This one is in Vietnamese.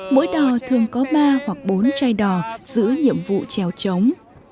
mỗi đò thường có ba hoặc bốn chai đò giữ nhiệm vụ trèo trống